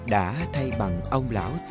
đã thay bằng ông lão